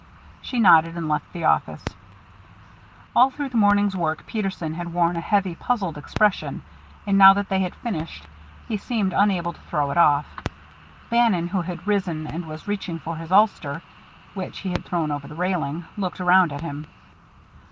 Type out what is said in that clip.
She nodded and left the office. All through the morning's work Peterson had worn a heavy, puzzled expression, and now that they had finished, he seemed unable to throw it off. Bannon, who had risen and was reaching for his ulster, which he had thrown over the railing, looked around at him.